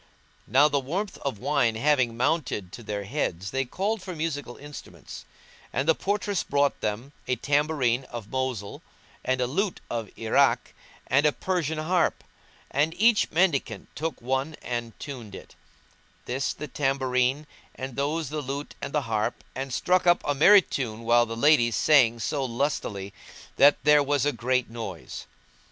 Now the warmth of wine having mounted to their heads they called for musical instruments; and the portress brought them a tambourine of Mosul, and a lute of Irák, and a Persian harp; and each mendicant took one and tuned it; this the tambourine and those the lute and the harp, and struck up a merry tune while the ladies sang so lustily that there was a great noise.